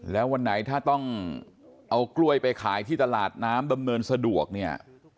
แล้ววันไหนถ้าต้องเอากล้วยไปขายที่ตลาดน้ำดำเนินสะดวกเนี่ย